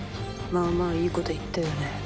まあまあいいこと言ったよね？